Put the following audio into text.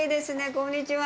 こんにちは。